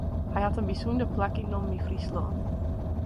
Hy hat in bysûnder plak ynnommen yn Fryslân.